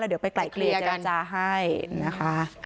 แล้วเดี๋ยวไปไกล่เคลียร์กันจริงจ้ะให้นะคะ